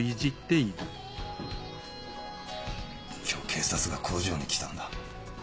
今日警察が工場に来たんだ。